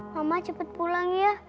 mama cepet pulang ya